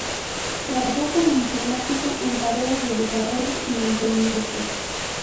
Trabajó como Informático en tareas de desarrollo y mantenimiento.